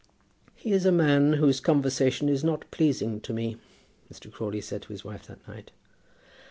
"He is a man whose conversation is not pleasing to me," Mr. Crawley said to his wife that night.